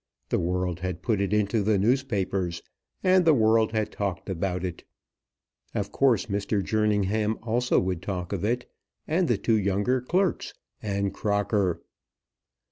The world had put it into the newspapers, and the world had talked about it. Of course Mr. Jerningham also would talk of it, and the two younger clerks, and Crocker.